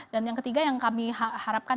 dan yang ketiga yang kami harapkan